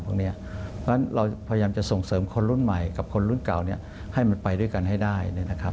เพราะฉะนั้นเราพยายามจะส่งเสริมคนรุ่นใหม่กับคนรุ่นเก่าให้มันไปด้วยกันให้ได้